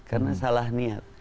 karena salah niat